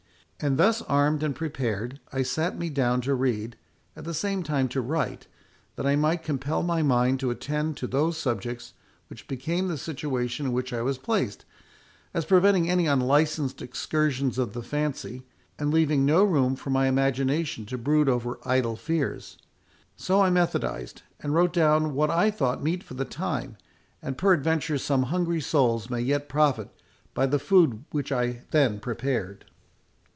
And thus armed and prepared, I sate me down to read, at the same time to write, that I might compel my mind to attend to those subjects which became the situation in which I was placed, as preventing any unlicensed excursions of the fancy, and leaving no room for my imagination to brood over idle fears. So I methodised, and wrote down what I thought meet for the time, and peradventure some hungry souls may yet profit by the food which I then prepared."